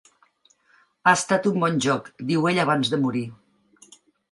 "Ha estat un bon joc", diu ell abans de morir.